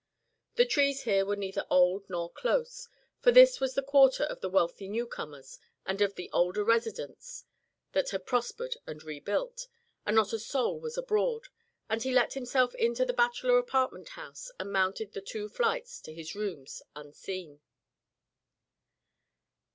The trees here were neither old nor close, for this was the quarter of the wealthy newcomers and of the older residents that had prospered and rebuilt. But not a soul was abroad, and he let himself into the bachelor apartment house and mounted the two flights to his rooms unseen.